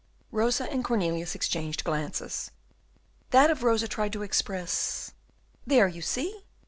Rosa and Cornelius exchanged glances. That of Rosa tried to express, "There, you see?"